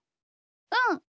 うん。